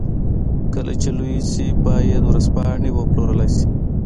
کله چې لوی شي بايد ورځپاڼې وپلورلای شي.